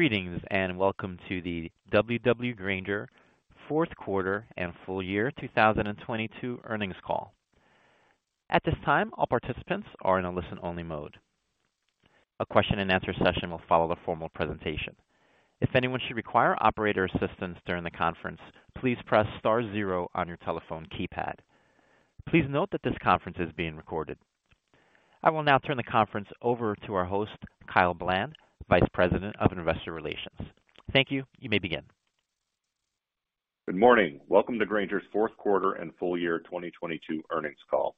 Greetings, welcome to the W.W. Grainger fourth quarter and full year 2022 earnings call. At this time, all participants are in a listen-only mode. A question and answer session will follow the formal presentation. If anyone should require operator assistance during the conference, please press star zero on your telephone keypad. Please note that this conference is being recorded. I will now turn the conference over to our host, Kyle Bland, Vice President of Investor Relations. Thank you. You may begin. Good morning. Welcome to Grainger's fourth quarter and full year 2022 earnings call.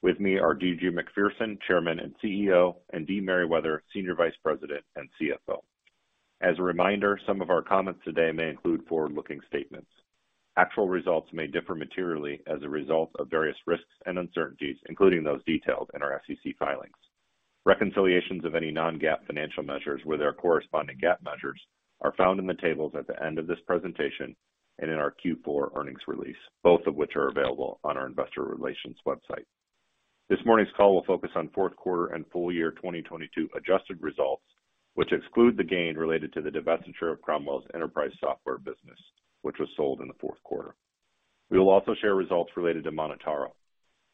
With me are D.G. Macpherson, Chairman and CEO, and Deidra Merriwether, Senior Vice President and CFO. As a reminder, some of our comments today may include forward-looking statements. Actual results may differ materially as a result of various risks and uncertainties, including those detailed in our SEC filings. Reconciliations of any non-GAAP financial measures with our corresponding GAAP measures are found in the tables at the end of this presentation and in our Q4 earnings release, both of which are available on our investor relations website. This morning's call will focus on fourth quarter and full year 2022 adjusted results, which exclude the gain related to the divestiture of Cromwell's enterprise software business, which was sold in the fourth quarter. We will also share results related to MonotaRO.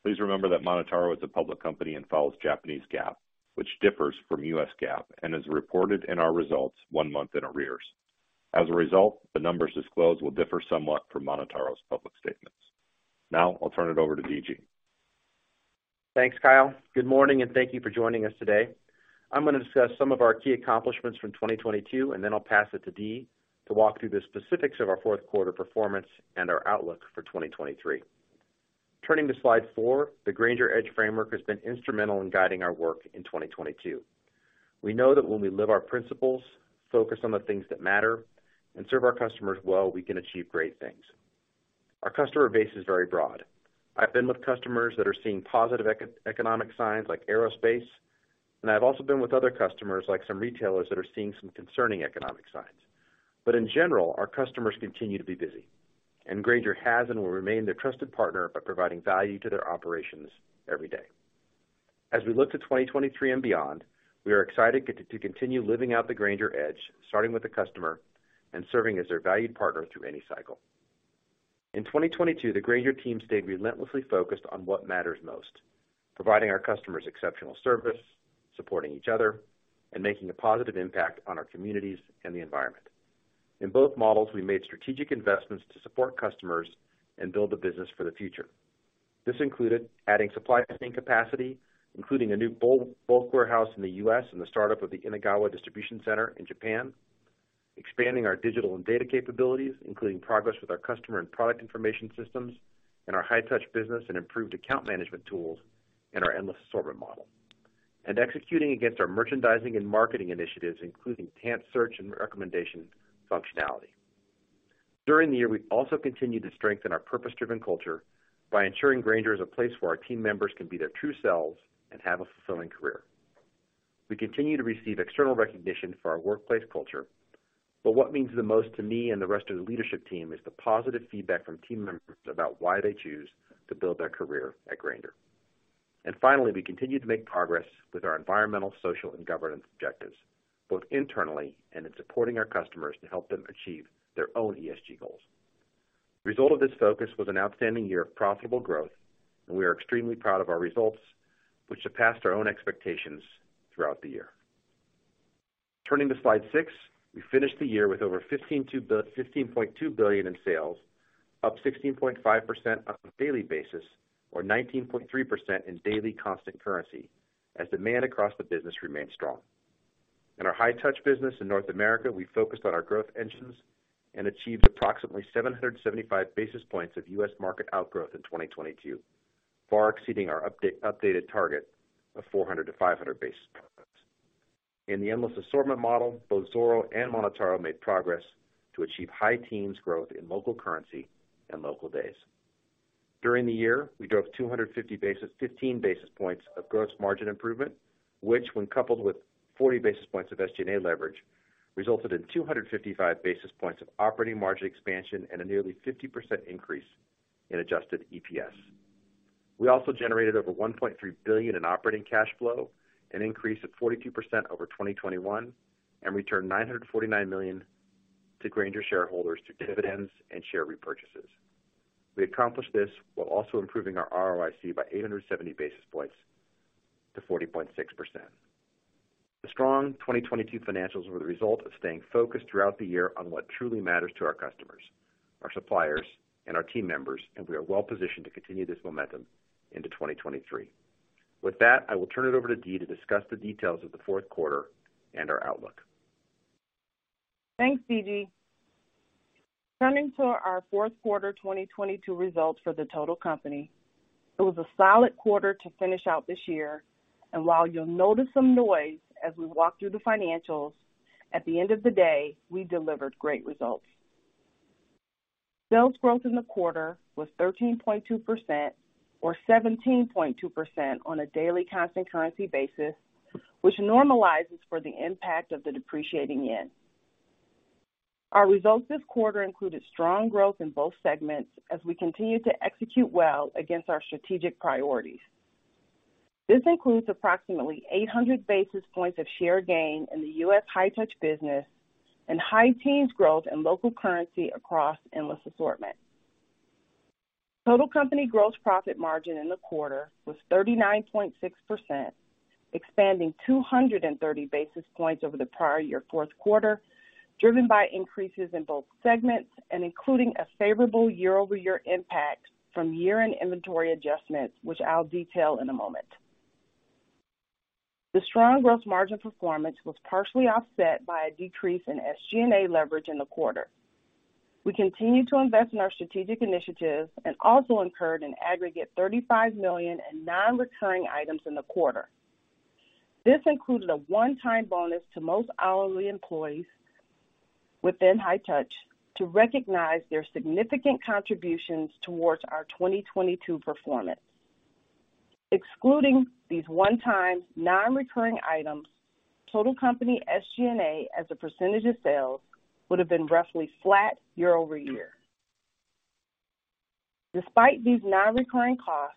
Please remember that MonotaRO is a public company and follows Japanese GAAP, which differs from US GAAP and is reported in our results one month in arrears. As a result, the numbers disclosed will differ somewhat from MonotaRO's public statements. Now I'll turn it over to D.G. Thanks, Kyle. Good morning, thank you for joining us today. I'm gonna discuss some of our key accomplishments from 2022, and then I'll pass it to Dee to walk through the specifics of our fourth quarter performance and our outlook for 2023. Turning to slide four, the Grainger Edge framework has been instrumental in guiding our work in 2022. We know that when we live our principles, focus on the things that matter, and serve our customers well, we can achieve great things. Our customer base is very broad. I've been with customers that are seeing positive eco-economic signs like aerospace, and I've also been with other customers, like some retailers, that are seeing some concerning economic signs. In general, our customers continue to be busy, and Grainger has and will remain their trusted partner by providing value to their operations every day. As we look to 2023 and beyond, we are excited to continue living out the Grainger Edge, starting with the customer and serving as their valued partner through any cycle. In 2022, the Grainger team stayed relentlessly focused on what matters most, providing our customers exceptional service, supporting each other, and making a positive impact on our communities and the environment. In both models, we made strategic investments to support customers and build the business for the future. This included adding supply capacity, including a new bulk warehouse in the U.S. and the startup of the Inagawa distribution center in Japan, expanding our digital and data capabilities, including progress with our customer and product information systems and our High-Touch business and improved account management tools and our Endless Assortment model. Executing against our merchandising and marketing initiatives, including Tant search and recommendation functionality. During the year, we also continued to strengthen our purpose-driven culture by ensuring Grainger is a place where our team members can be their true selves and have a fulfilling career. We continue to receive external recognition for our workplace culture. What means the most to me and the rest of the leadership team is the positive feedback from team members about why they choose to build their career at Grainger. Finally, we continue to make progress with our environmental, social, and governance objectives, both internally and in supporting our customers to help them achieve their own ESG goals. The result of this focus was an outstanding year of profitable growth, and we are extremely proud of our results, which surpassed our own expectations throughout the year. Turning to slide six. We finished the year with over $15.2 billion in sales, up 16.5% on a daily basis, or 19.3% in daily constant currency as demand across the business remained strong. In our High-Touch business in North America, we focused on our growth engines and achieved approximately 775 basis points of U.S. market outgrowth in 2022, far exceeding our updated target of 400-500 basis points. In the Endless Assortment model, both Zoro and MonotaRO made progress to achieve high teens growth in local currency and local days. During the year, we drove 15 basis points of gross margin improvement, which, when coupled with 40 basis points of SG&A leverage, resulted in 255 basis points of operating margin expansion and a nearly 50% increase in adjusted EPS. We also generated over $1.3 billion in operating cash flow, an increase of 42% over 2021, and returned $949 million to Grainger shareholders through dividends and share repurchases. We accomplished this while also improving our ROIC by 870 basis points to 40.6%. The strong 2022 financials were the result of staying focused throughout the year on what truly matters to our customers, our suppliers, and our team members, and we are well positioned to continue this momentum into 2023. With that, I will turn it over to Dee to discuss the details of the fourth quarter and our outlook. Thanks, D.G. Turning to our fourth quarter 2022 results for the total company, it was a solid quarter to finish out this year. While you'll notice some noise as we walk through the financials, at the end of the day, we delivered great results. Sales growth in the quarter was 13.2% or 17.2% on a daily constant currency basis, which normalizes for the impact of the depreciating yen. Our results this quarter included strong growth in both segments as we continued to execute well against our strategic priorities. This includes approximately 800 basis points of share gain in the U.S. High-Touch Solutions business and high teens growth in local currency across Endless Assortment. Total company gross profit margin in the quarter was 39.6%, expanding 230 basis points over the prior year fourth quarter, driven by increases in both segments and including a favorable year-over-year impact from year-end inventory adjustments, which I'll detail in a moment. The strong growth margin performance was partially offset by a decrease in SG&A leverage in the quarter. We continued to invest in our strategic initiatives and also incurred an aggregate $35 million in non-recurring items in the quarter. This included a one-time bonus to most hourly employees within High-Touch Solutions to recognize their significant contributions towards our 2022 performance. Excluding these one-time non-recurring items, total company SG&A as a percentage of sales would have been roughly flat year-over-year. Despite these non-recurring costs,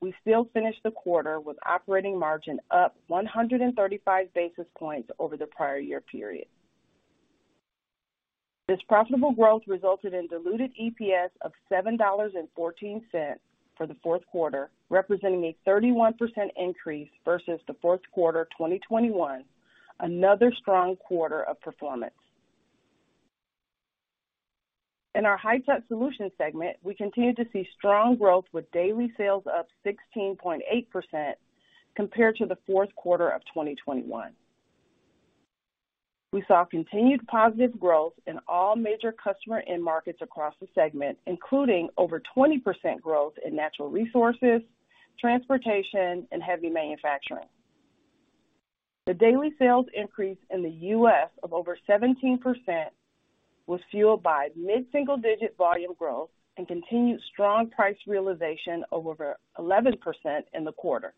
we still finished the quarter with operating margin up 135 basis points over the prior year period. This profitable growth resulted in diluted EPS of $7.14 for the fourth quarter, representing a 31% increase versus the fourth quarter 2021, another strong quarter of performance. In our High-Touch Solutions segment, we continued to see strong growth with daily sales up 16.8% compared to the fourth quarter of 2021. We saw continued positive growth in all major customer end markets across the segment, including over 20% growth in natural resources, transportation, and heavy manufacturing. The daily sales increase in the U.S. of over 17% was fueled by mid-single digit volume growth and continued strong price realization of over 11% in the quarter.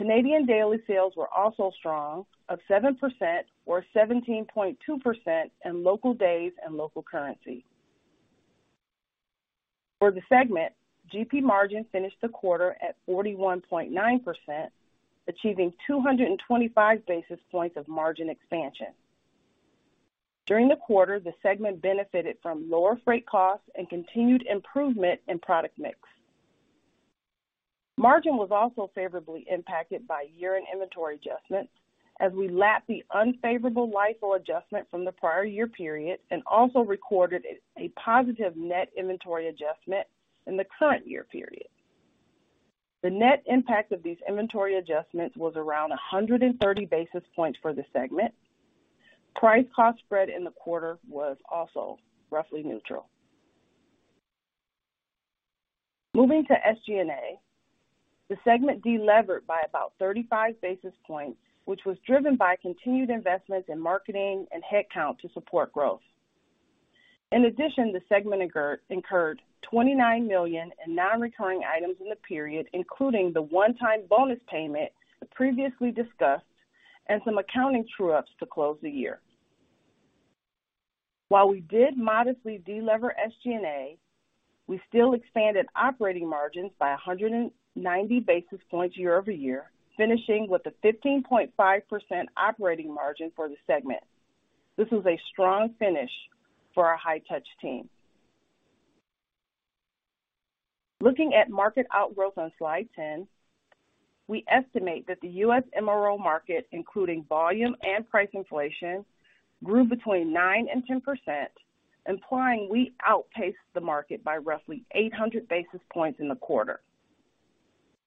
Canadian daily sales were also strong of 7% or 17.2% in local days and local currency. For the segment, GP margin finished the quarter at 41.9%, achieving 225 basis points of margin expansion. During the quarter, the segment benefited from lower freight costs and continued improvement in product mix. Margin was also favorably impacted by year-end inventory adjustments as we lapped the unfavorable LIFO adjustment from the prior year period and also recorded a positive net inventory adjustment in the current year period. The net impact of these inventory adjustments was around 130 basis points for the segment. Price cost spread in the quarter was also roughly neutral. Moving to SG&A, the segment delevered by about 35 basis points, which was driven by continued investments in marketing and headcount to support growth. In addition, the segment incurred $29 million in non-recurring items in the period, including the one-time bonus payment previously discussed and some accounting true-ups to close the year. While we did modestly delever SG&A, we still expanded operating margins by 190 basis points year-over-year, finishing with a 15.5% operating margin for the segment. This was a strong finish for our High Touch team. Looking at market outgrowth on slide 10, we estimate that the U.S. MRO market, including volume and price inflation, grew between 9% and 10%, implying we outpaced the market by roughly 800 basis points in the quarter.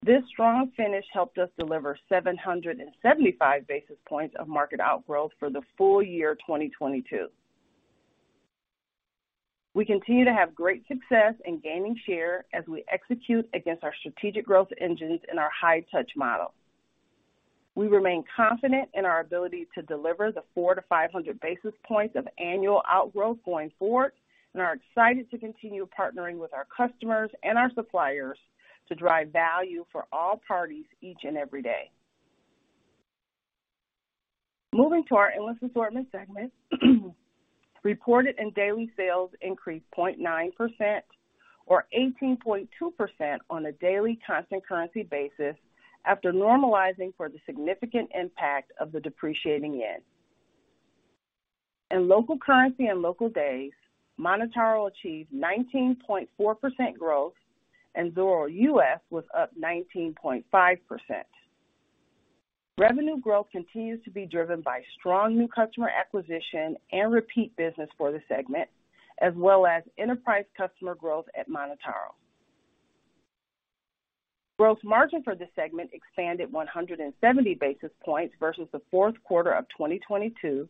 This strong finish helped us deliver 775 basis points of market outgrowth for the full year 2022. We continue to have great success in gaining share as we execute against our strategic growth engines in our High-Touch model. We remain confident in our ability to deliver the 400-500 basis points of annual outgrowth going forward, and are excited to continue partnering with our customers and our suppliers to drive value for all parties each and every day. Moving to our Endless Assortment segment, reported and daily sales increased 0.9% or 18.2% on a daily constant currency basis after normalizing for the significant impact of the depreciating yen. In local currency and local days, MonotaRO achieved 19.4% growth, and Zoro U.S. was up 19.5%. Revenue growth continues to be driven by strong new customer acquisition and repeat business for the segment, as well as enterprise customer growth at MonotaRO. Gross margin for the segment expanded 170 basis points versus the fourth quarter of 2022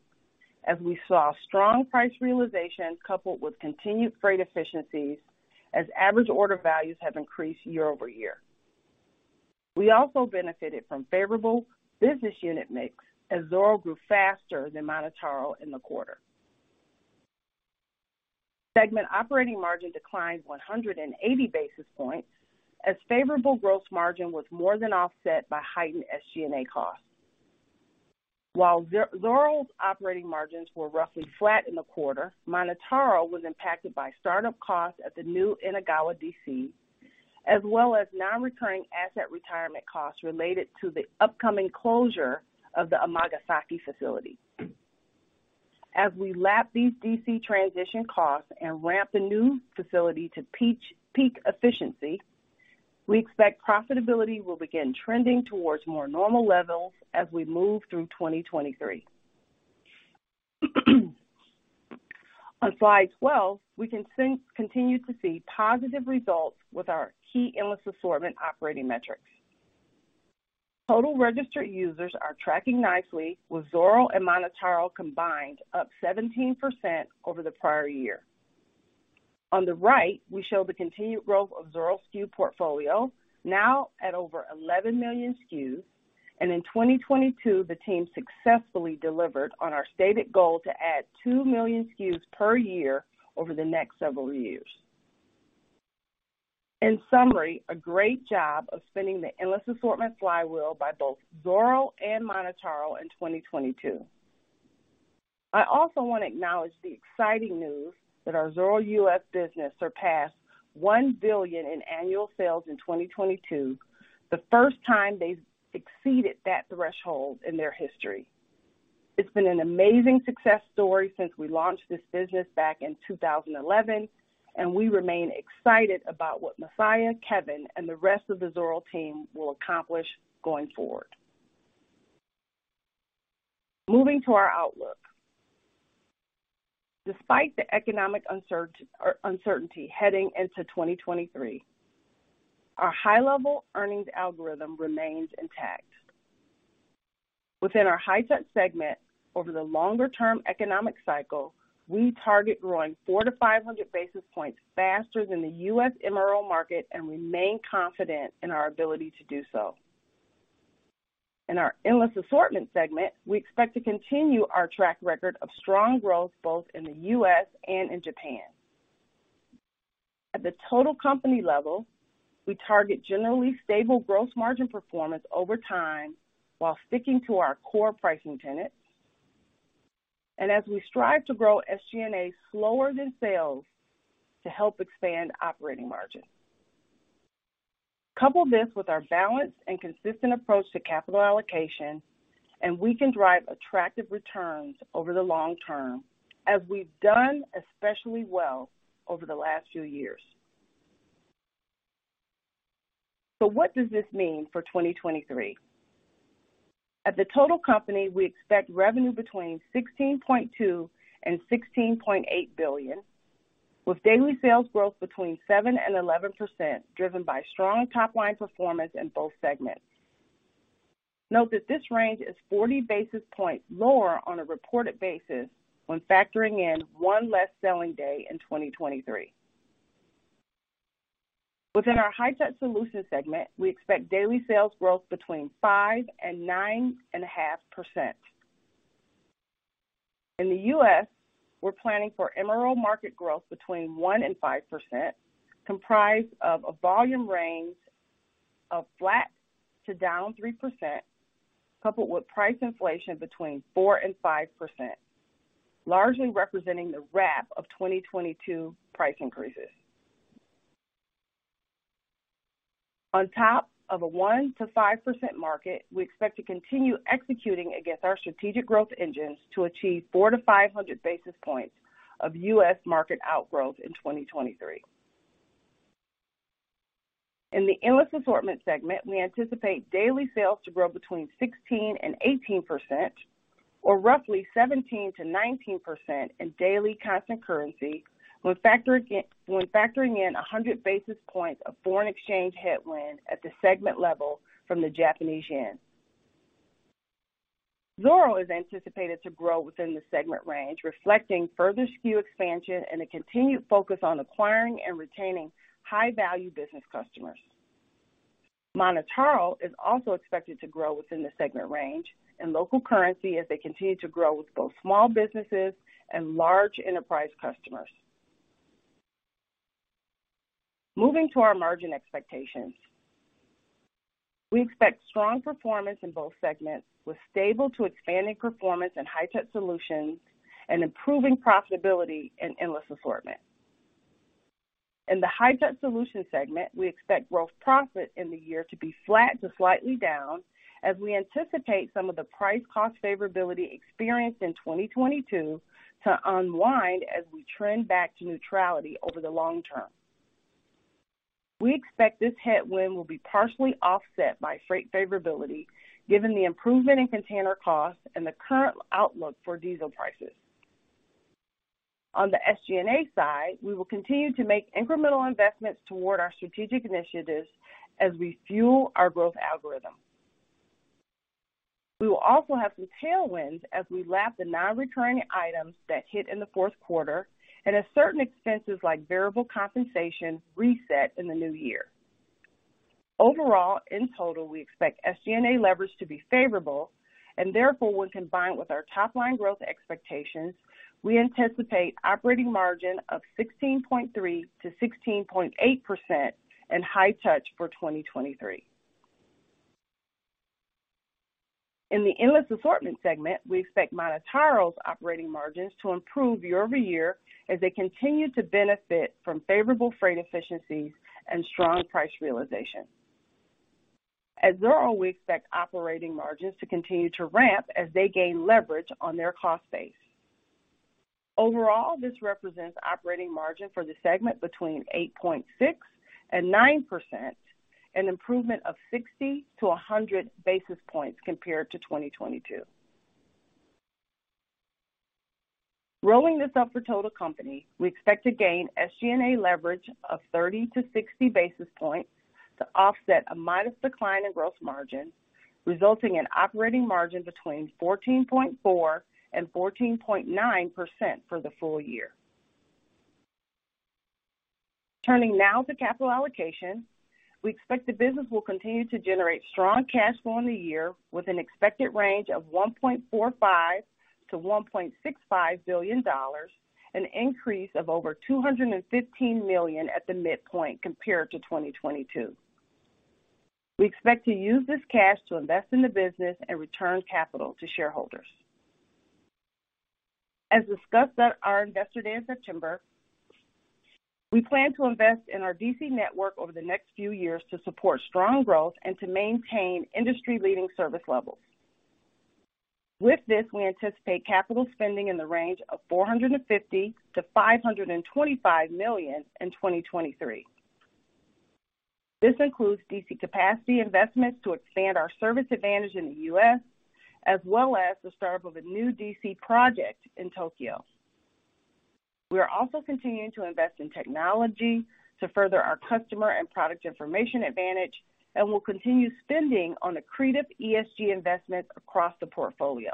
as we saw strong price realization coupled with continued freight efficiencies as average order values have increased year-over-year. We also benefited from favorable business unit mix as Zoro grew faster than MonotaRO in the quarter. Segment operating margin declined 180 basis points as favorable gross margin was more than offset by heightened SG&A costs. Zoro's operating margins were roughly flat in the quarter, MonotaRO was impacted by startup costs at the new Inagawa DC, as well as non-recurring asset retirement costs related to the upcoming closure of the Amagasaki facility. As we lap these DC transition costs and ramp the new facility to peak efficiency, we expect profitability will begin trending towards more normal levels as we move through 2023. On slide 12, we continue to see positive results with our key Endless Assortment operating metrics. Total registered users are tracking nicely with Zoro and MonotaRO combined up 17% over the prior year. On the right, we show the continued growth of Zoro SKU portfolio now at over 11 million SKUs, and in 2022, the team successfully delivered on our stated goal to add 2 million SKUs per year over the next several years. In summary, a great job of spinning the Endless Assortment flywheel by both Zoro and MonotaRO in 2022. I also wanna acknowledge the exciting news that our Zoro U.S. business surpassed $1 billion in annual sales in 2022, the first time they've exceeded that threshold in their history. It's been an amazing success story since we launched this business back in 2011. We remain excited about what Masaya, Kevin, and the rest of the Zoro team will accomplish going forward. Moving to our outlook. Despite the economic uncertainty heading into 2023, our high-level earnings algorithm remains intact. Within our High-Touch segment, over the longer-term economic cycle, we target growing 400-500 basis points faster than the U.S. MRO market and remain confident in our ability to do so. In our Endless Assortment segment, we expect to continue our track record of strong growth both in the U.S. and in Japan. At the total company level, we target generally stable gross margin performance over time while sticking to our core pricing tenets, and as we strive to grow SG&A slower than sales to help expand operating margin. Couple this with our balanced and consistent approach to capital allocation, and we can drive attractive returns over the long term, as we've done especially well over the last few years. What does this mean for 2023? At the total company, we expect revenue between $16.2 billion-$16.8 billion, with daily sales growth between 7%-11%, driven by strong top-line performance in both segments. Note that this range is 40 basis points lower on a reported basis when factoring in one less selling day in 2023. Within our High-Touch Solutions segment, we expect daily sales growth between 5%-9.5%. In the U.S., we're planning for MRO market growth between 1% and 5%, comprised of a volume range of flat to down 3%, coupled with price inflation between 4% and 5%, largely representing the wrap of 2022 price increases. On top of a 1% to 5% market, we expect to continue executing against our strategic growth engines to achieve 400 to 500 basis points of U.S. market outgrowth in 2023. In the Endless Assortment segment, we anticipate daily sales to grow between 16% and 18% or roughly 17% to 19% in daily constant currency when factoring in 100 basis points of foreign exchange headwind at the segment level from the Japanese yen. Zoro is anticipated to grow within the segment range, reflecting further SKU expansion and a continued focus on acquiring and retaining high-value business customers. MonotaRO is also expected to grow within the segment range in local currency as they continue to grow with both small businesses and large enterprise customers. Moving to our margin expectations. We expect strong performance in both segments with stable to expanding performance in High-Touch Solutions and improving profitability in Endless Assortment. In the High-Touch Solutions segment, we expect gross profit in the year to be flat to slightly down as we anticipate some of the price cost favorability experienced in 2022 to unwind as we trend back to neutrality over the long term. We expect this headwind will be partially offset by freight favorability given the improvement in container costs and the current outlook for diesel prices. On the SG&A side, we will continue to make incremental investments toward our strategic initiatives as we fuel our growth algorithm. We will also have some tailwinds as we lap the non-recurring items that hit in the fourth quarter and as certain expenses like variable compensation reset in the new year. Overall, in total, we expect SG&A leverage to be favorable and therefore when combined with our top-line growth expectations, we anticipate operating margin of 16.3%-16.8% in High-Touch Solutions for 2023. In the Endless Assortment segment, we expect MonotaRO's operating margins to improve year-over-year as they continue to benefit from favorable freight efficiencies and strong price realization. At Zoro, we expect operating margins to continue to ramp as they gain leverage on their cost base. Overall, this represents operating margin for the segment between 8.6% and 9%, an improvement of 60 to 100 basis points compared to 2022. Rolling this up for total company, we expect to gain SG&A leverage of 30-60 basis points to offset a minus decline in gross margin, resulting in operating margin between 14.4% and 14.9% for the full year. Turning now to capital allocation, we expect the business will continue to generate strong cash flow in the year with an expected range of $1.45 billion-$1.65 billion, an increase of over $215 million at the midpoint compared to 2022. We expect to use this cash to invest in the business and return capital to shareholders. As discussed at our Investor Day in September, we plan to invest in our DC network over the next few years to support strong growth and to maintain industry-leading service levels. With this, we anticipate capital spending in the range of $450 million-$525 million in 2023. This includes DC capacity investments to expand our service advantage in the U.S., as well as the start of a new DC project in Tokyo. We are also continuing to invest in technology to further our customer and product information advantage. We'll continue spending on accretive ESG investments across the portfolio.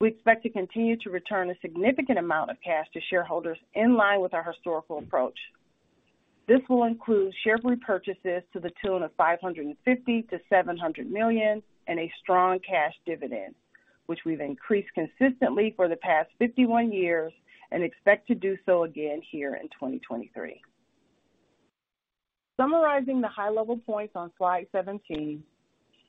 We expect to continue to return a significant amount of cash to shareholders in line with our historical approach. This will include share repurchases to the tune of $550 million-$700 million and a strong cash dividend, which we've increased consistently for the past 51 years and expect to do so again here in 2023. Summarizing the high-level points on slide 17,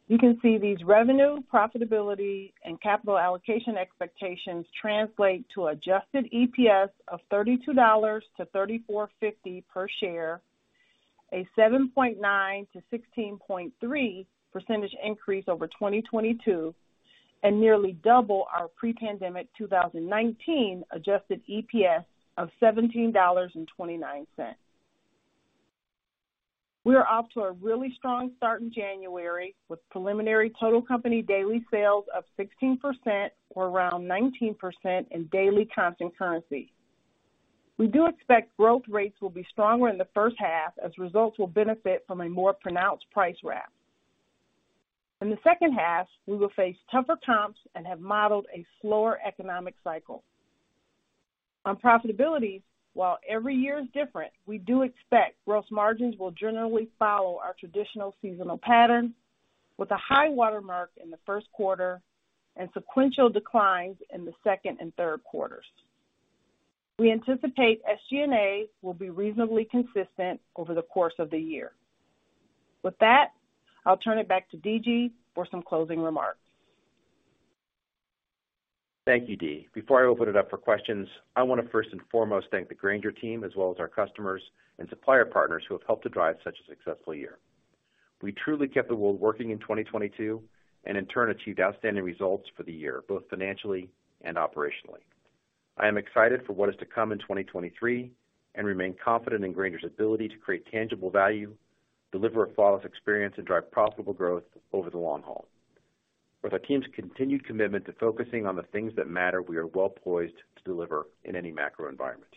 you can see these revenue, profitability, and capital allocation expectations translate to adjusted EPS of $32-$34.50 per share, a 7.9%-16.3% increase over 2022, and nearly double our pre-pandemic 2019 adjusted EPS of $17.29. We are off to a really strong start in January, with preliminary total company daily sales of 16% or around 19% in daily constant currency. We do expect growth rates will be stronger in the first half as results will benefit from a more pronounced price ramp. In the second half, we will face tougher comps and have modeled a slower economic cycle. On profitability, while every year is different, we do expect gross margins will generally follow our traditional seasonal pattern, with a high watermark in the first quarter and sequential declines in the second and third quarters. We anticipate SG&A will be reasonably consistent over the course of the year. With that, I'll turn it back to D.G. for some closing remarks. Thank you, Dee. Before I open it up for questions, I wanna first and foremost thank the Grainger team as well as our customers and supplier partners who have helped to drive such a successful year. We truly kept the world working in 2022 and in turn, achieved outstanding results for the year, both financially and operationally. I am excited for what is to come in 2023 and remain confident in Grainger's ability to create tangible value, deliver a flawless experience, and drive profitable growth over the long haul. With our team's continued commitment to focusing on the things that matter, we are well poised to deliver in any macro environment.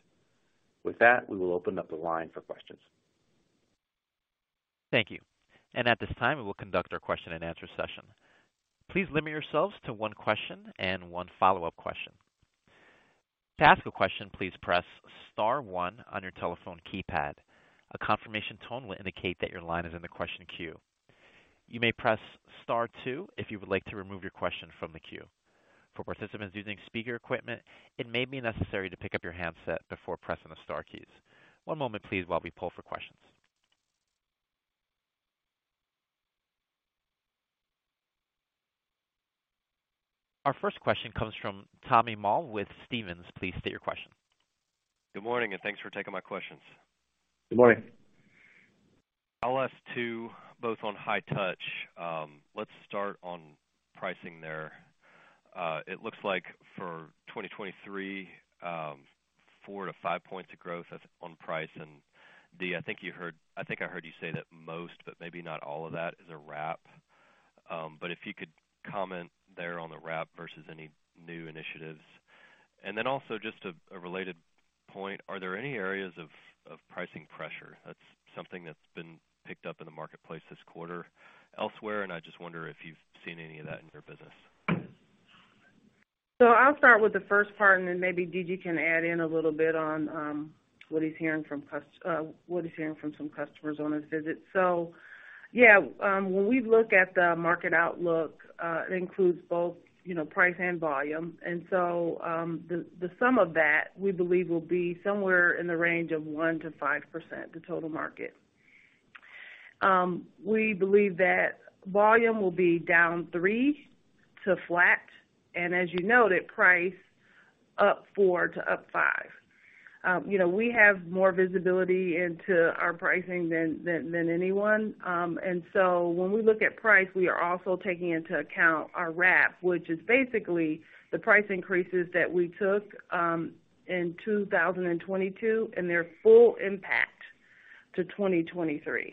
With that, we will open up the line for questions. Thank you. At this time, we will conduct our question and answer session. Please limit yourselves to one question and one follow-up question. To ask a question, please press star one on your telephone keypad. A confirmation tone will indicate that your line is in the question queue. You may press star two if you would like to remove your question from the queue. For participants using speaker equipment, it may be necessary to pick up your handset before pressing the star keys. One moment, please, while we pull for questions. Our first question comes from Tommy Moll with Stephens. Please state your question. Good morning, and thanks for taking my questions. Good morning. LS-2, both on High-Touch. Let's start on pricing there. It looks like for 2023, 4-5 points of growth that's on price. Dee, I think I heard you say that most, but maybe not all of that is a wrap. If you could comment there on the wrap versus any new initiatives. Also just a related point, are there any areas of pricing pressure? That's something that's been picked up in the marketplace this quarter elsewhere, and I just wonder if you've seen any of that in your business. I'll start with the first part, and then maybe D.G. can add in a little bit on what he's hearing from some customers on his visits. Yeah, when we look at the market outlook, it includes both, you know, price and volume. The sum of that, we believe, will be somewhere in the range of 1%-5%, the total market. We believe that volume will be down 3% to flat, and as you noted, price up 4% to 5%. We have more visibility into our pricing than anyone. When we look at price, we are also taking into account our wrap, which is basically the price increases that we took in 2022 and their full impact to 2023.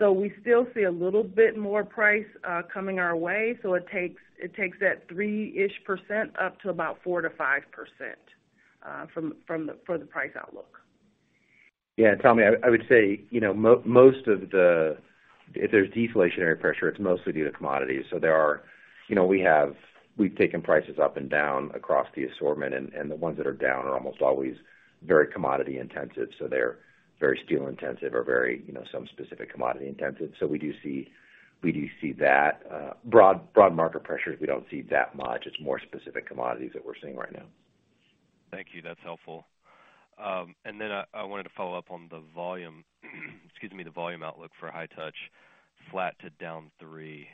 We still see a little bit more price coming our way. It takes that 3-ish% up to about 4%-5% for the price outlook. Yeah. Tommy, I would say, you know, most of the. If there's deflationary pressure, it's mostly due to commodities. There are, you know, we've taken prices up and down across the assortment, and the ones that are down are almost always very commodity intensive, so they're very steel intensive or very, you know, some specific commodity intensive. We do see that. Broad market pressures, we don't see that much. It's more specific commodities that we're seeing right now. Thank you. That's helpful. Then I wanted to follow up on the volume. Excuse me. The volume outlook for High Touch, flat to down 3%.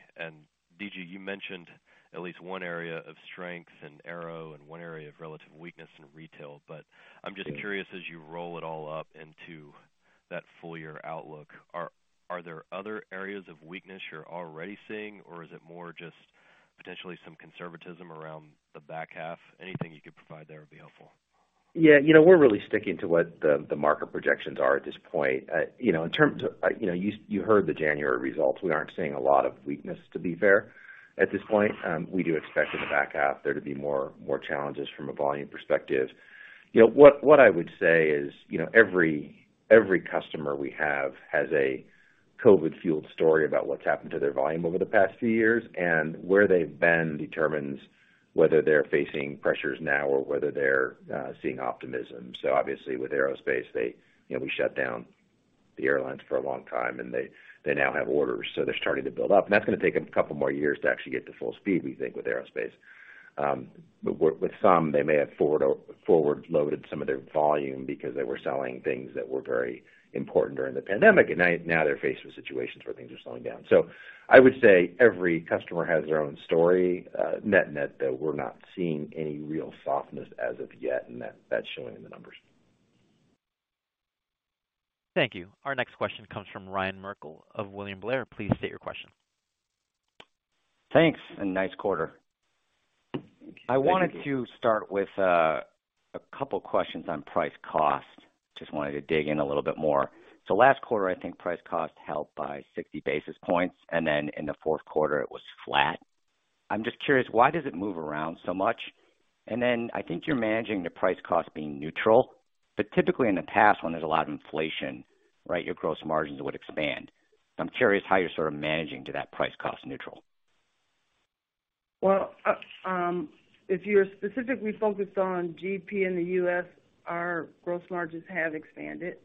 D.G., you mentioned at least one area of strength in aero and one area of relative weakness in retail, but I'm just curious as you roll it all up into that full year outlook, are there other areas of weakness you're already seeing, or is it more just potentially some conservatism around the back half? Anything you could provide there would be helpful. Yeah. You know, we're really sticking to what the market projections are at this point. You know, in terms of, you know, you heard the January results. We aren't seeing a lot of weakness, to be fair, at this point. We do expect in the back half there to be more challenges from a volume perspective. You know, what I would say is, you know, every customer we have has a COVID-fueled story about what's happened to their volume over the past few years, and where they've been determines whether they're facing pressures now or whether they're seeing optimism. Obviously with aerospace, they, we shut down the airlines for a long time, and they now have orders, so they're starting to build up. That's gonna take them a couple more years to actually get to full speed, we think, with aerospace. With some, they may have forward loaded some of their volume because they were selling things that were very important during the pandemic, and now they're faced with situations where things are slowing down. I would say every customer has their own story. Net-net, though, we're not seeing any real softness as of yet, and that's showing in the numbers. Thank you. Our next question comes from Ryan Merkel of William Blair. Please state your question. Thanks, and nice quarter. Thank you. I wanted to start with, a couple questions on price cost. Just wanted to dig in a little bit more. Last quarter, I think price cost helped by 60 basis points, in the fourth quarter it was flat. I'm just curious, why does it move around so much? I think you're managing the price cost being neutral. Typically in the past when there's a lot of inflation, right, your gross margins would expand. I'm curious how you're sort of managing to that price cost neutral. If you're specifically focused on GP in the U.S., our gross margins have expanded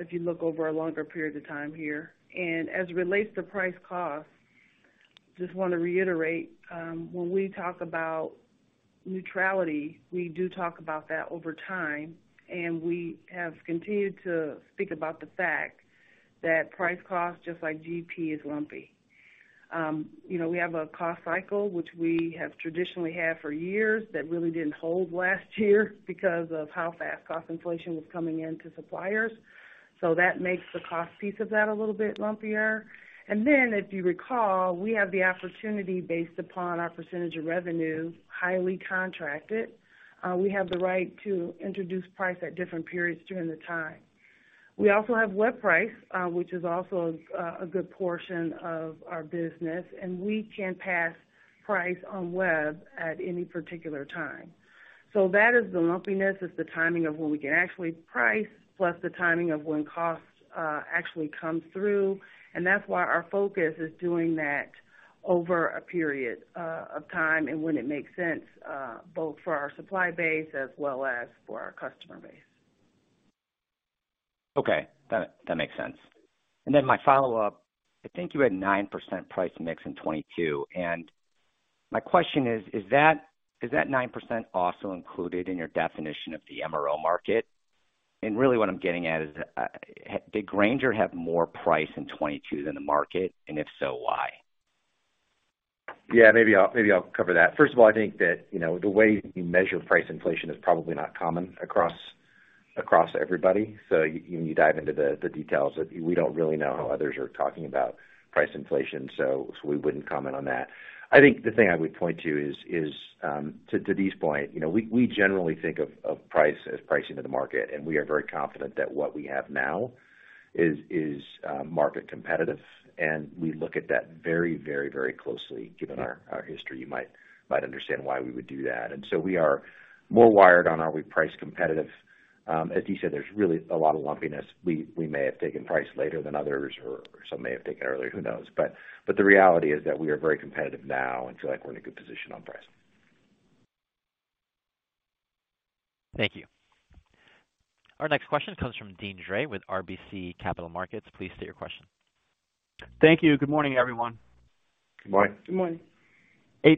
if you look over a longer period of time here. As it relates to price cost, just wanna reiterate, when we talk about neutrality, we do talk about that over time, and we have continued to speak about the fact that price cost, just like GP, is lumpy. You know, we have a cost cycle, which we have traditionally had for years that really didn't hold last year because of how fast cost inflation was coming in to suppliers. That makes the cost piece of that a little bit lumpier. If you recall, we have the opportunity based upon our percentage of revenue, highly contracted. We have the right to introduce price at different periods during the time. We also have web price, which is also a good portion of our business, and we can pass price on web at any particular time. That is the lumpiness, is the timing of when we can actually price, plus the timing of when costs actually come through, and that's why our focus is doing that over a period of time and when it makes sense, both for our supply base as well as for our customer base. Okay. That makes sense. My follow-up, I think you had 9% price mix in 2022. My question is that 9% also included in your definition of the MRO market? Really what I'm getting at is, did Grainger have more price in 2022 than the market, and if so, why? Maybe I'll cover that. First of all, I think that, you know, the way you measure price inflation is probably not common across everybody. When you dive into the details, we don't really know how others are talking about price inflation, so we wouldn't comment on that. I think the thing I would point to is to Dee's point, you know, we generally think of price as pricing to the market, and we are very confident that what we have now is market competitive, and we look at that very closely. Given our history, you might understand why we would do that. We are more wired on are we price competitive. As Dee said, there's really a lot of lumpiness. We may have taken price later than others or some may have taken earlier, who knows? The reality is that we are very competitive now and feel like we're in a good position on price. Thank you. Our next question comes from Deane Dray with RBC Capital Markets. Please state your question. Thank you. Good morning, everyone. Good morning. Good morning. Can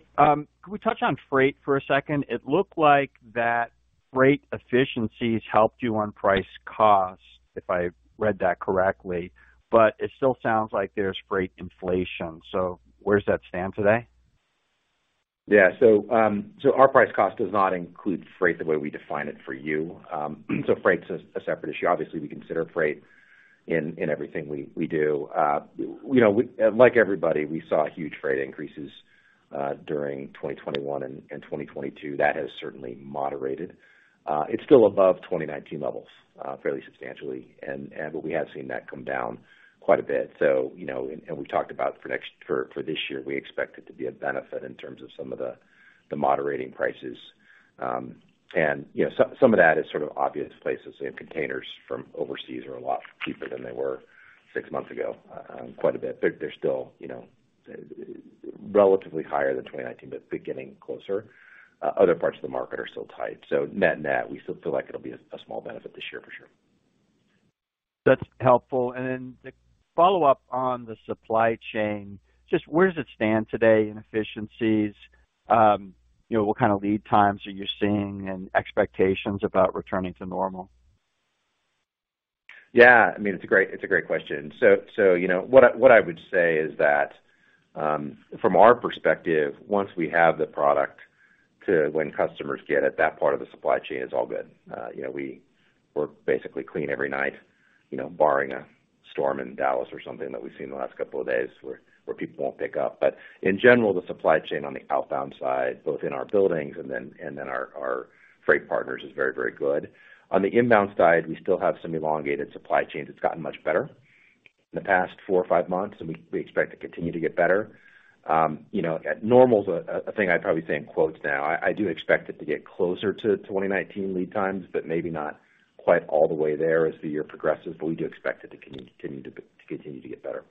we touch on freight for a second? It looked like that freight efficiencies helped you on price cost, if I read that correctly, but it still sounds like there's freight inflation. Where does that stand today? Yeah. So our price cost does not include freight the way we define it for you. Freight's a separate issue. Obviously, we consider freight in everything we do. you know, like everybody, we saw huge freight increases during 2021 and 2022. That has certainly moderated. It's still above 2019 levels, fairly substantially and but we have seen that come down quite a bit. you know, and we talked about for this year, we expect it to be a benefit in terms of some of the moderating prices. you know, some of that is sort of obvious places, you know, containers from overseas are a lot cheaper than they were 6 months ago, quite a bit. They're still, you know, relatively higher than 2019, but they're getting closer. Other parts of the market are still tight. Net-net, we still feel like it'll be a small benefit this year for sure. That's helpful. Then to follow up on the supply chain, just where does it stand today in efficiencies? You know, what kind of lead times are you seeing and expectations about returning to normal? Yeah, I mean, it's a great question. You know, what I would say is that, from our perspective, once we have the product to when customers get it, that part of the supply chain is all good. You know, we're basically clean every night, you know, barring a storm in Dallas or something that we've seen in the last couple of days where people won't pick up. In general, the supply chain on the outbound side, both in our buildings and then our freight partners is very, very good. On the inbound side, we still have some elongated supply chains. It's gotten much better in the past four or five months, and we expect to continue to get better. You know, at normal is a thing I'd probably say in quotes now. I do expect it to get closer to 2019 lead times, but maybe not quite all the way there as the year progresses, but we do expect it to continue to get better.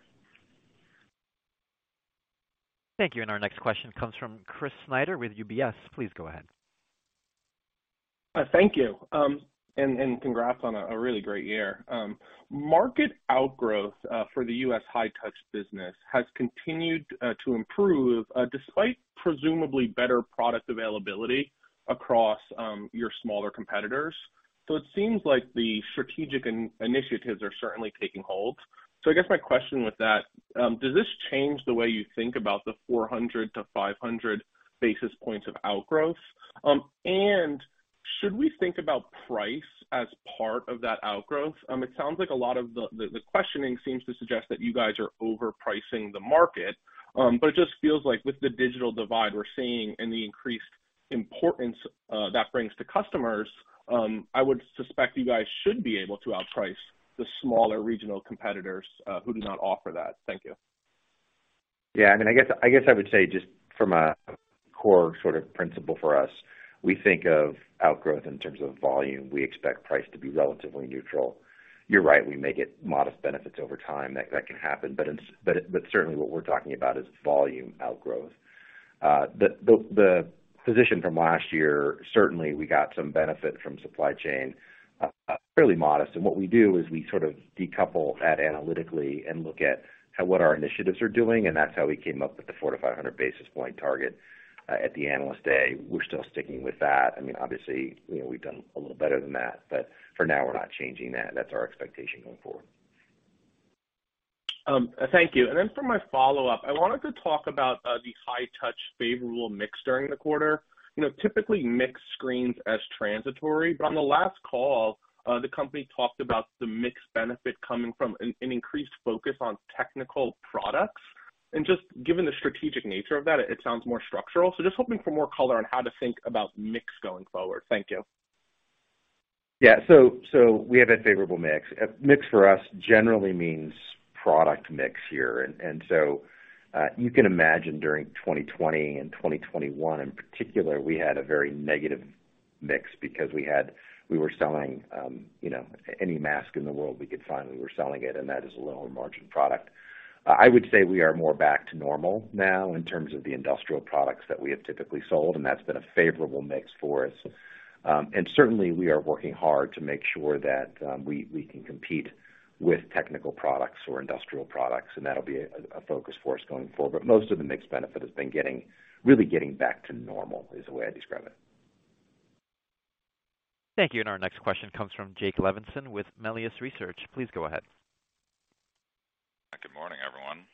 Thank you. Our next question comes from Chris Snyder with UBS. Please go ahead. Thank you. Congrats on a really great year. Market outgrowth for the U.S. High-Touch Solutions business has continued to improve despite presumably better product availability across your smaller competitors. It seems like the strategic initiatives are certainly taking hold. I guess my question with that, does this change the way you think about the 400 to 500 basis points of outgrowth? Should we think about price as part of that outgrowth? It sounds like a lot of the questioning seems to suggest that you guys are overpricing the market. It just feels like with the digital divide we're seeing and the increased importance that brings to customers, I would suspect you guys should be able to outprice the smaller regional competitors who do not offer that. Thank you. Yeah. I mean, I guess I would say just from a core sort of principle for us, we think of outgrowth in terms of volume. We expect price to be relatively neutral. You're right, we may get modest benefits over time. That can happen. But certainly what we're talking about is volume outgrowth. The position from last year, certainly we got some benefit from supply chain, fairly modest. What we do is we sort of decouple that analytically and look at what our initiatives are doing, and that's how we came up with the 400-500 basis point target at the Analyst Day. We're still sticking with that. I mean, obviously, you know, we've done a little better than that, but for now, we're not changing that. That's our expectation going forward. Thank you. Then for my follow-up, I wanted to talk about the High-Touch favorable mix during the quarter. You know, typically mix screens as transitory, but on the last call, the company talked about the mix benefit coming from an increased focus on technical products. Just given the strategic nature of that, it sounds more structural. Just hoping for more color on how to think about mix going forward. Thank you. We have a favorable mix. A mix for us generally means product mix here. So you can imagine during 2020 and 2021 in particular, we had a very negative mix because we were selling, you know, any mask in the world we could find, we were selling it, and that is a lower margin product. I would say we are more back to normal now in terms of the industrial products that we have typically sold, and that's been a favorable mix for us. And certainly we are working hard to make sure that we can compete with technical products or industrial products, and that'll be a focus for us going forward. Most of the mix benefit has been really getting back to normal is the way I describe it. Thank you. Our next question comes from Jacob Levinson with Melius Research. Please go ahead. Good morning, everyone.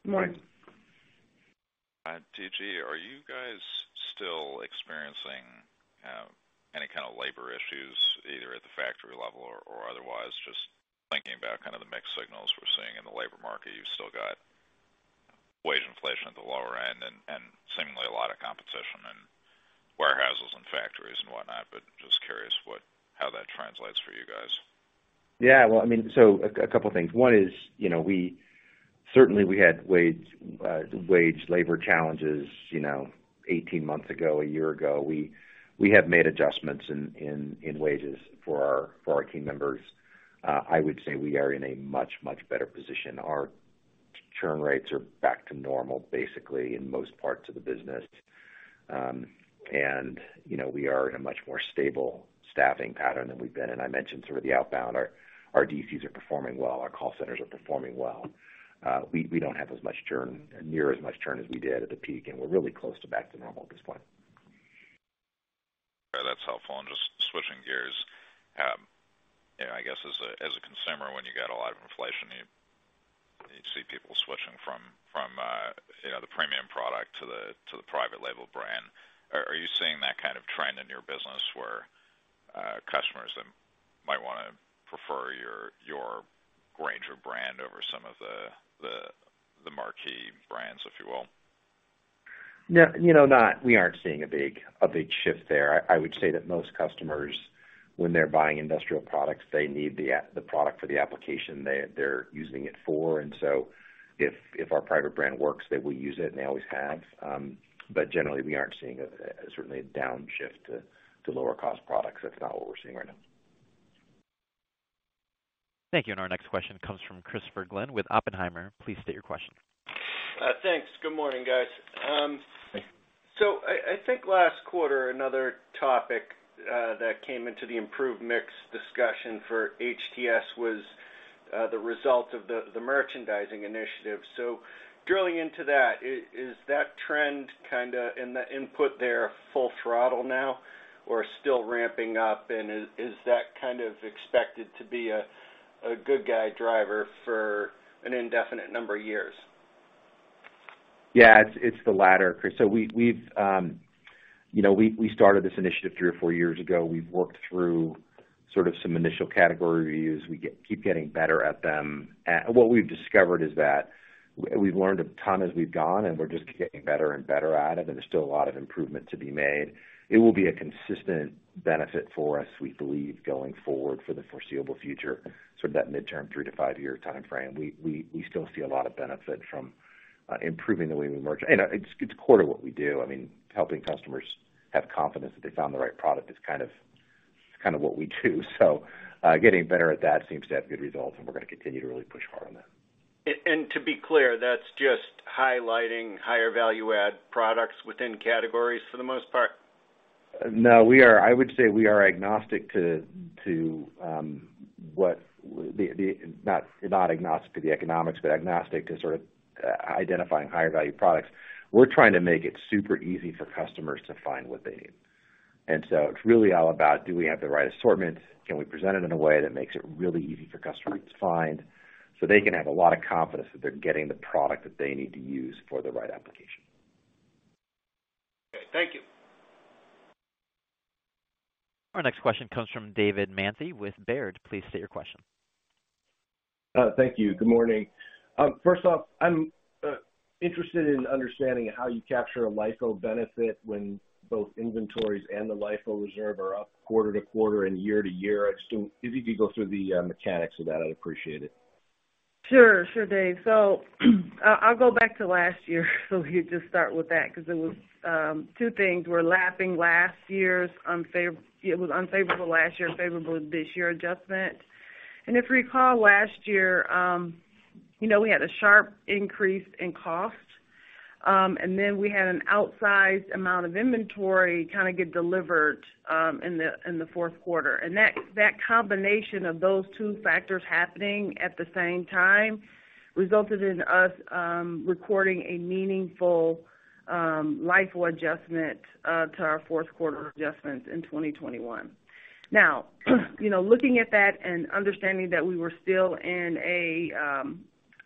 Good morning. Good morning. D.G., are you guys still experiencing any kind of labor issues either at the factory level or otherwise? Just thinking about kind of the mixed signals we're seeing in the labor market. You've still got wage inflation at the lower end and seemingly a lot of competition in warehouses and factories and whatnot, but just curious what how that translates for you guys. Well, I mean, a couple things. One is, you know, certainly we had wage labor challenges, you know, 18 months ago, a year ago. We have made adjustments in wages for our team members. I would say we are in a much better position. Our churn rates are back to normal basically in most parts of the business. You know, we are in a much more stable staffing pattern than we've been. I mentioned sort of the outbound. Our DCs are performing well, our call centers are performing well. We don't have as much churn, near as much churn as we did at the peak, we're really close to back to normal at this point. Okay, that's helpful. Just switching gears. You know, I guess as a consumer, when you get a lot of inflation, you see people switching from, you know, the premium product to the private label brand. Are you seeing that kind of trend in your business where customers that might wanna prefer your Grainger brand over some of the marquee brands, if you will? Yeah, you know, we aren't seeing a big shift there. I would say that most customers, when they're buying industrial products, they need the product for the application they're using it for. If our private brand works, they will use it, and they always have. Generally, we aren't seeing a certainly a downshift to lower cost products. That's not what we're seeing right now. Thank you. Our next question comes from Christopher Glynn with Oppenheimer. Please state your question. Thanks. Good morning, guys. Thank you. I think last quarter, another topic that came into the improved mix discussion for HTS was the result of the merchandising initiative. Drilling into that, is that trend kinda in the input there full throttle now, or still ramping up? Is that kind of expected to be a good guy driver for an indefinite number of years? It's the latter, Chris. We've, you know, we started this initiative 3 or 4 years ago. We keep getting better at them. What we've discovered is that we've learned a ton as we've gone, and we're just getting better and better at it, and there's still a lot of improvement to be made. It will be a consistent benefit for us, we believe, going forward for the foreseeable future, sort of that midterm 3 to 5 year timeframe. We still see a lot of benefit from improving the way we merge. It's core to what we do. I mean, helping customers have confidence that they found the right product is kind of what we do. Getting better at that seems to have good results, and we're gonna continue to really push hard on that. To be clear, that's just highlighting higher value add products within categories for the most part. No, I would say we are agnostic to what. Not agnostic to the economics, but agnostic to sort of identifying higher value products. We're trying to make it super easy for customers to find what they need. It's really all about do we have the right assortment? Can we present it in a way that makes it really easy for customers to find, so they can have a lot of confidence that they're getting the product that they need to use for the right application. Okay. Thank you. Our next question comes from David Manthey with Baird. Please state your question. Thank you. Good morning. First off, I'm interested in understanding how you capture a LIFO benefit when both inventories and the LIFO reserve are up quarter-to-quarter and year-to-year. I just don't. If you could go through the mechanics of that, I'd appreciate it. Sure. Sure, Dave. I'll go back to last year, you just start with that because it was, two things were lapping last year's it was unfavorable last year, favorable this year adjustment. If you recall last year, you know, we had a sharp increase in cost, and then we had an outsized amount of inventory kinda get delivered, in the, in the fourth quarter. That, that combination of those two factors happening at the same time resulted in us, recording a meaningful, LIFO adjustment, to our fourth quarter adjustments in 2021. Now, you know, looking at that and understanding that we were still in a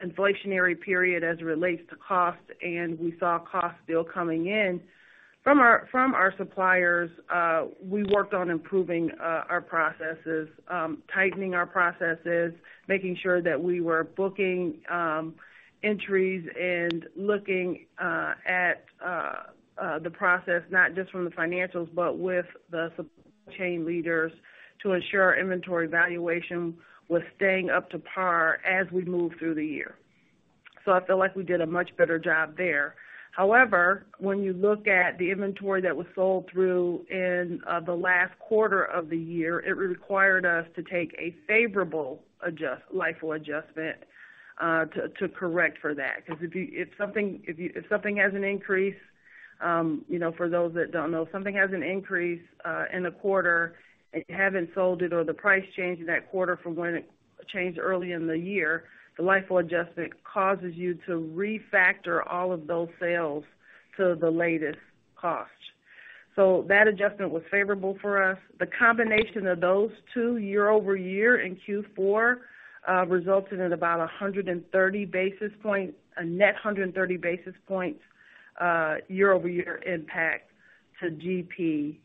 inflationary period as it relates to cost, and we saw cost still coming in, from our suppliers, we worked on improving our processes, tightening our processes, making sure that we were booking entries and looking at the process, not just from the financials, but with the supply chain leaders to ensure our inventory valuation was staying up to par as we moved through the year. I feel like we did a much better job there. However, when you look at the inventory that was sold through in the last quarter of the year, it required us to take a favorable LIFO adjustment to correct for that. 'Cause if something has an increase, you know, for those that don't know, if something has an increase in a quarter, and you haven't sold it or the price changed in that quarter from when it changed early in the year, the LIFO adjustment causes you to refactor all of those sales to the latest cost. That adjustment was favorable for us. The combination of those two year-over-year in Q4 resulted in about 130 basis point, a net 130 basis points, year-over-year impact to GP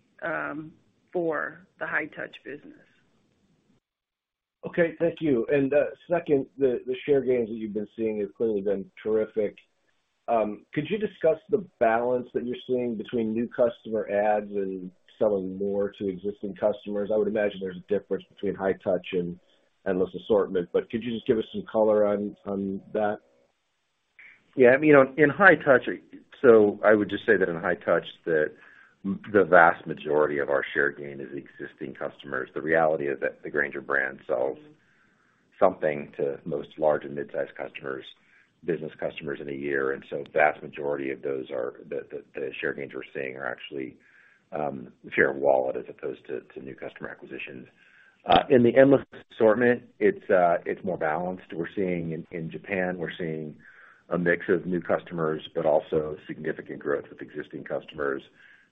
for the High-Touch business. Okay. Thank you. Second, the share gains that you've been seeing have clearly been terrific. Could you discuss the balance that you're seeing between new customer adds and selling more to existing customers? I would imagine there's a difference between High-Touch and Endless Assortment. Could you just give us some color on that? Yeah. I mean, you know, in High-Touch Solutions. I would just say that in High-Touch Solutions, the vast majority of our share gain is existing customers. The reality is that the Grainger brand sells something to most large and mid-sized customers, business customers in a year. Vast majority of those are the share gains we're seeing are actually share of wallet as opposed to new customer acquisitions. In the Endless Assortment, it's more balanced. We're seeing in Japan, we're seeing a mix of new customers, but also significant growth with existing customers.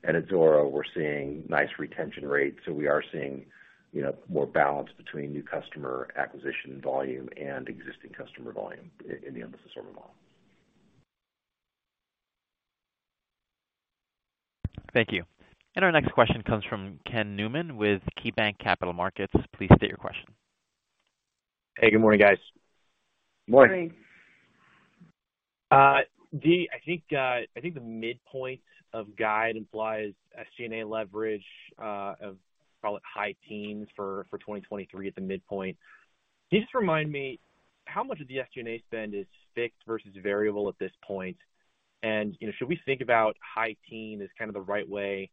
At Zoro, we're seeing nice retention rates. We are seeing, you know, more balance between new customer acquisition volume and existing customer volume in the Endless Assortment models. Thank you. Our next question comes from Ken Newman with KeyBanc Capital Markets. Please state your question. Hey, good morning, guys. Morning. Morning. Dee, I think the midpoint of guide implies SG&A leverage of call it high teens for 2023 at the midpoint. Can you just remind me how much of the SG&A spend is fixed versus variable at this point? You know, should we think about high teen as kinda the right way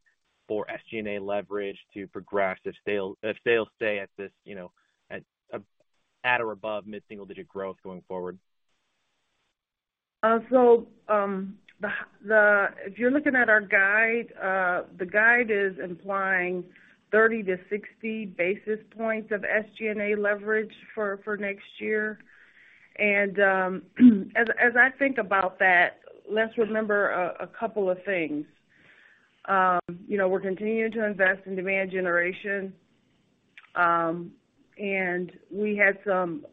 for SG&A leverage to progress if sales stay at this, you know, at or above mid-single-digit growth going forward? If you're looking at our guide, the guide is implying 30-60 basis points of SG&A leverage for next year. As I think about that, let's remember a couple of things. You know, we're continuing to invest in demand generation, and we had some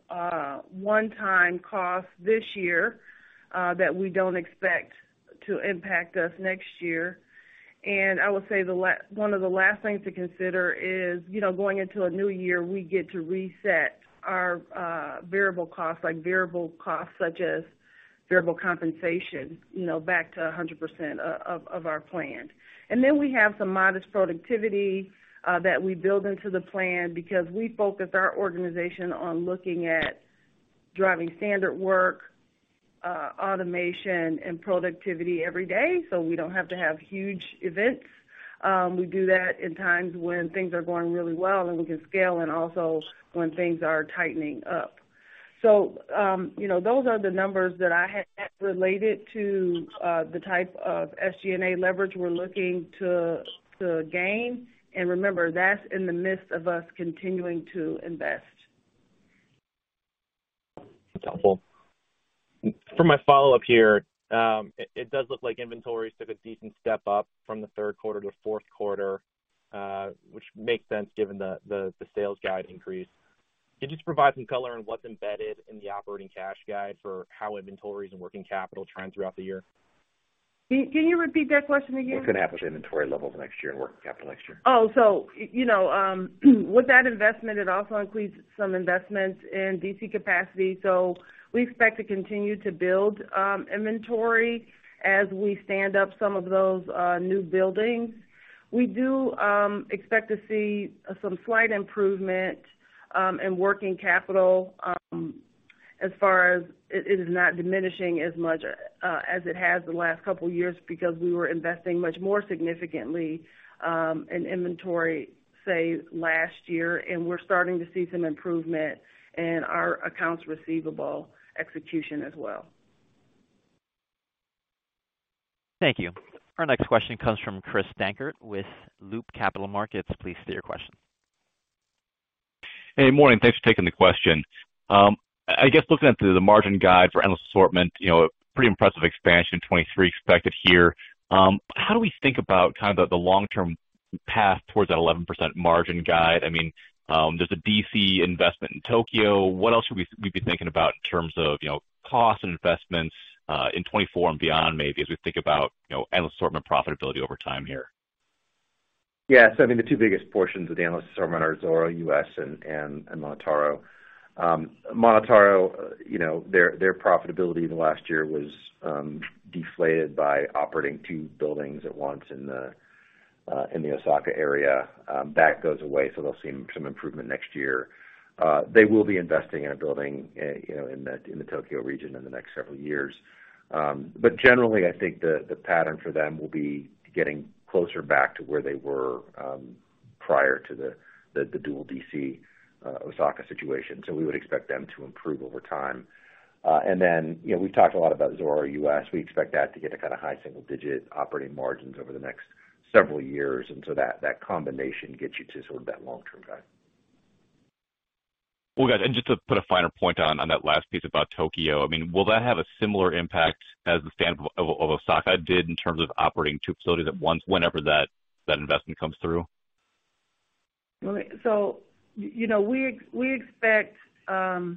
one-time costs this year that we don't expect to impact us next year. I would say one of the last things to consider is, you know, going into a new year, we get to reset our variable costs, like variable costs such as variable compensation, you know, back to 100% of our plan. We have some modest productivity that we build into the plan because we focused our organization on looking at driving standard work, automation and productivity every day, so we don't have to have huge events. We do that in times when things are going really well and we can scale, and also when things are tightening up. You know, those are the numbers that I had related to the type of SG&A leverage we're looking to gain. Remember, that's in the midst of us continuing to invest. That's helpful. For my follow-up here, it does look like inventory took a decent step up from the third quarter to fourth quarter, which makes sense given the sales guide increase. Can you just provide some color on what's embedded in the operating cash guide for how inventories and working capital trend throughout the year? Can you repeat that question again? What's gonna happen to inventory levels next year and working capital next year? You know, with that investment, it also includes some investments in DC capacity. We expect to continue to build inventory as we stand up some of those new buildings. We do expect to see some slight improvement in working capital as far as it is not diminishing as much as it has the last couple years because we were investing much more significantly in inventory, say, last year, and we're starting to see some improvement in our accounts receivable execution as well. Thank you. Our next question comes from Chris Dankert with Loop Capital Markets. Please state your question. Hey, morning. Thanks for taking the question. I guess looking at the margin guide for Endless Assortment, you know, pretty impressive expansion, 2023 expected here. How do we think about kind of the long-term path towards that 11% margin guide? I mean, there's a DC investment in Tokyo. What else should we be thinking about in terms of, you know, costs and investments in 2024 and beyond, maybe as we think about, you know, Endless Assortment profitability over time here? Yeah. I mean, the two biggest portions of the Endless Assortment are Zoro US and MonotaRO. MonotaRO, you know, their profitability in the last year was deflated by operating two buildings at once in the Osaka area. That goes away, so they'll see some improvement next year. They will be investing in a building, you know, in the Tokyo region in the next several years. Generally, I think the pattern for them will be getting closer back to where they were, prior to the dual DC Osaka situation. We would expect them to improve over time. You know, we've talked a lot about Zoro U.S. We expect that to get to kinda high single digit operating margins over the next several years. That combination gets you to sort of that long-term guide. Well, guys, just to put a finer point on that last piece about Tokyo, I mean, will that have a similar impact as the stand up of Osaka did in terms of operating two facilities at once whenever that investment comes through? You know, we expect. The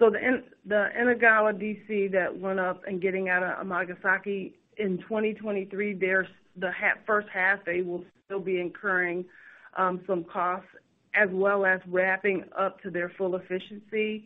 Inagawa DC that went up and getting out of Amagasaki in 2023, the first half, they will still be incurring some costs as well as ramping up to their full efficiency.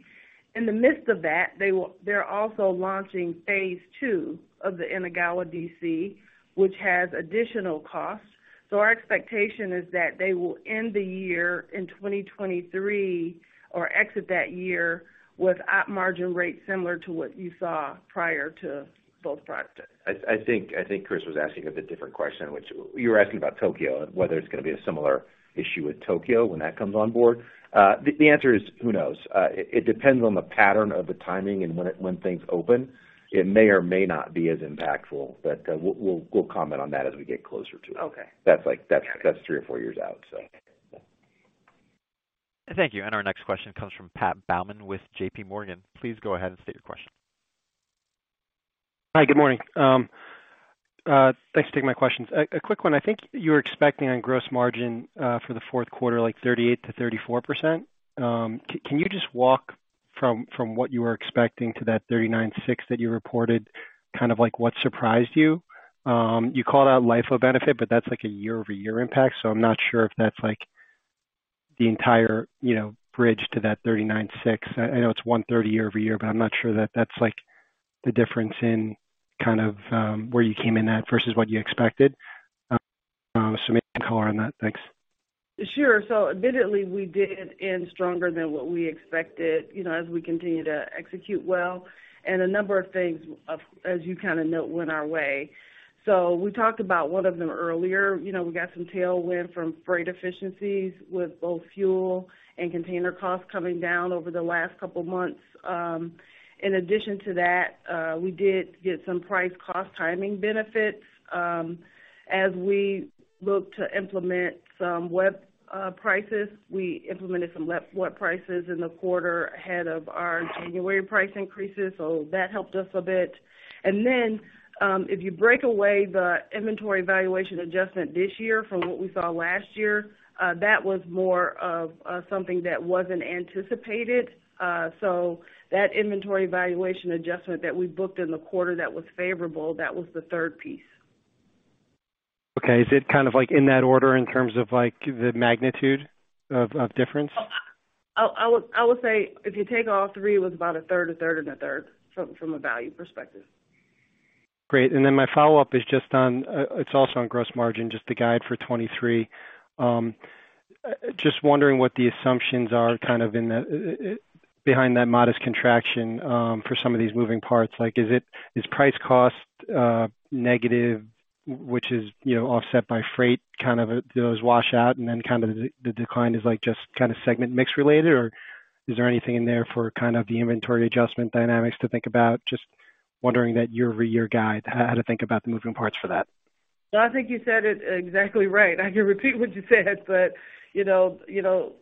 In the midst of that, they're also launching phase II of the Inagawa DC, which has additional costs. Our expectation is that they will end the year in 2023 or exit that year with Op margin rates similar to what you saw prior to both practices. I think Chris was asking a bit different question, which you were asking about Tokyo, and whether it's gonna be a similar issue with Tokyo when that comes on board. The answer is, who knows? It depends on the pattern of the timing and when things open, it may or may not be as impactful. We'll comment on that as we get closer to it. Okay. That's like, that's three or four years out. Thank you. Our next question comes from Patrick Baumann with J.P. Morgan. Please go ahead and state your question. Hi, good morning. Thanks for taking my questions. A quick one. I think you're expecting on gross margin for the fourth quarter, like 38%-34%. Can you just walk from what you were expecting to that 39.6% that you reported, kind of like what surprised you? You called out LIFO benefit, but that's like a year-over-year impact, so I'm not sure if that's like the entire, you know, bridge to that 39.6%. I know it's 130 year-over-year, but I'm not sure that that's like the difference in kind of where you came in at versus what you expected. Maybe color on that. Thanks. Sure. Admittedly, we did end stronger than what we expected, you know, as we continue to execute well. A number of things, as you kind of note, went our way. We talked about one of them earlier. You know, we got some tailwind from freight efficiencies with both fuel and container costs coming down over the last couple of months. In addition to that, we did get some price cost timing benefits. As we look to implement some web prices, we implemented some web prices in the quarter ahead of our January price increases, so that helped us a bit. If you break away the inventory valuation adjustment this year from what we saw last year, that was more of something that wasn't anticipated. That inventory valuation adjustment that we booked in the quarter that was favorable, that was the third piece. Okay. Is it kind of like in that order in terms of like the magnitude of difference? I would say if you take all three, it was about a third, a third and a third from a value perspective. Great. My follow-up is just on, it's also on gross margin, just the guide for 2023. Just wondering what the assumptions are kind of behind that modest contraction for some of these moving parts. Like, is price cost negative, which is, you know, offset by freight kind of those wash out, and then the decline is like just kinda segment mix related? Is there anything in there for kind of the inventory adjustment dynamics to think about? Just wondering that year-over-year guide, how to think about the moving parts for that. No, I think you said it exactly right. I can repeat what you said but, you know, you know,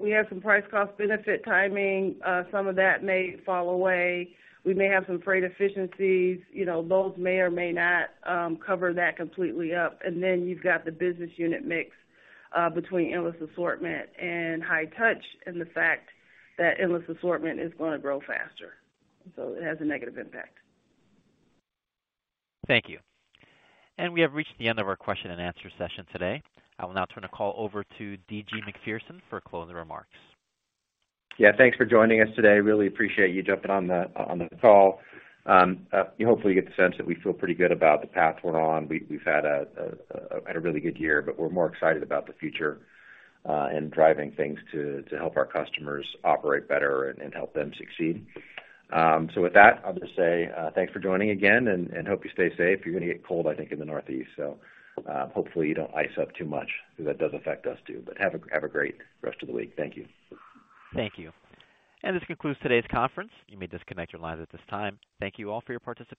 we have some price cost benefit timing. Some of that may fall away. We may have some freight efficiencies. You know, those may or may not cover that completely up. You've got the business unit mix between Endless Assortment and High-Touch, and the fact that Endless Assortment is gonna grow faster. It has a negative impact. Thank you. We have reached the end of our question and answer session today. I will now turn the call over to D.G. Macpherson for closing remarks. Yeah, thanks for joining us today. Really appreciate you jumping on the call. You hopefully get the sense that we feel pretty good about the path we're on. We've had a really good year, but we're more excited about the future, and driving things to help our customers operate better and help them succeed. With that, I'll just say thanks for joining again and hope you stay safe. You're gonna get cold, I think, in the Northeast, so hopefully you don't ice up too much because that does affect us too. Have a great rest of the week. Thank you. Thank you. This concludes today's conference. You may disconnect your lines at this time. Thank you all for your participation.